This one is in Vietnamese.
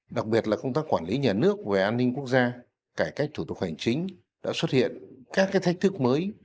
đặc biệt là công tác quản lý nhà nước về an ninh quốc gia cải cách thủ tục hành chính đã xuất hiện các thách thức mới